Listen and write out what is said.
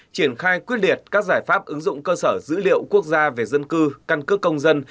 triển khai quyết liệt các giải pháp ứng dụng cơ sở dữ liệu quốc gia về dân cư căn cước công dân